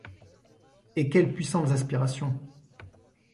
Et quelles puissantes aspirations !